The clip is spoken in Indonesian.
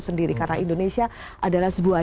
sendiri karena indonesia adalah sebuah